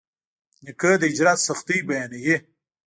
نیکه د هجرت سختۍ بیانوي.